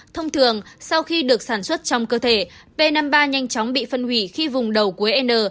thông thường sau khi được sản xuất trong cơ thể p năm mươi ba nhanh chóng bị phân hủy khi vùng đầu cuối n